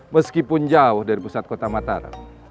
meskipun jauh dari pusat kota mataram